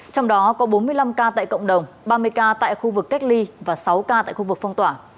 trong đó có bốn mươi năm ca tại cộng đồng ba mươi ca tại khu vực cách ly và sáu ca tại khu vực phong tỏa